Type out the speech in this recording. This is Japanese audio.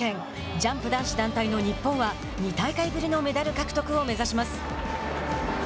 ジャンプ男子団体の日本は２大会ぶりのメダル獲得を目指します。